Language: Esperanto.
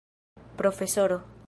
profesoro